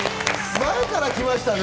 前から来ましたね。